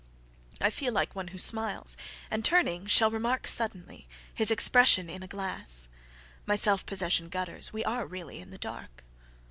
I feel like one who smiles, and turning shall remarkSuddenly, his expression in a glass.My self possession gutters; we are really in the dark.